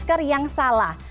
masker yang salah